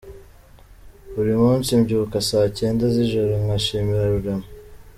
Buri munsi mbyuka saa cyenda z'ijoro nka shimira rurema